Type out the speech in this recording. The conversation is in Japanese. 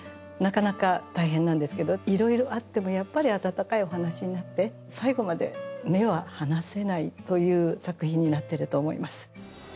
なかなか大変なんですけどいろいろあってもやっぱり温かいお話になって最後まで目は離せないという作品になってると思います。